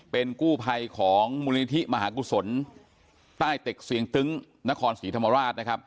เป็นกู้ภัยของมูลนิธิมหากุศลใต้ตึกเสียงตึ้งนครศรีธรรมราชนะครับ